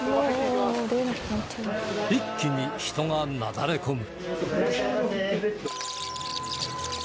一気に人がなだれ込む